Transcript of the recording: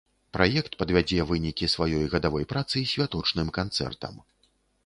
Праект падвядзе вынікі сваёй гадавой працы святочным канцэртам.